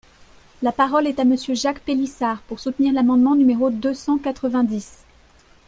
La parole est à Monsieur Jacques Pélissard, pour soutenir l’amendement numéro deux cent quatre-vingt-dix.